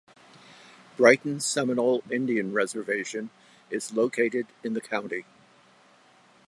Brighton Seminole Indian Reservation is located in the county.